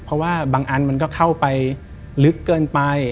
เพราะว่าบางอันมันก็เข้าไปลึกเกินไป